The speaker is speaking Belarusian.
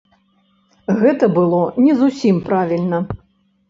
Гэта было не зусім правільна.